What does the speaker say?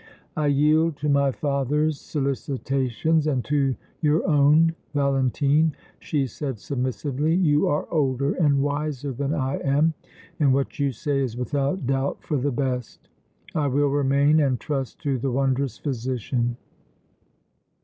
"I yield to my father's solicitations and to your own, Valentine," she said, submissively. "You are older and wiser than I am and what you say is without doubt for the best. I will remain and trust to the wondrous physician."